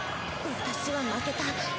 私は負けた。